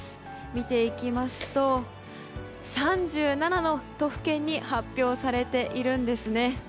見ていきますと３７の都府県に発表されているんです。